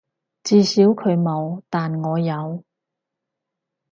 至少佢冇，但我有